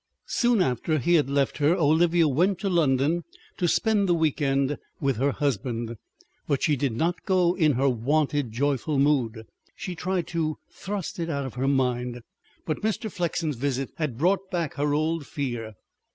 Soon after he had left her Olivia went to London to spend the week end with her husband. But she did not go in her wonted joyful mood. She tried to thrust it out of her mind; but Mr. Flexen's visit had brought back her old fear.